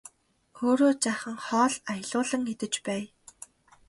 Өөрөө жаахан хоол аялуулан идэж байя!